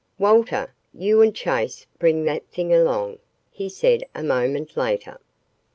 "Walter, you and Chase bring that thing along," he said a moment later.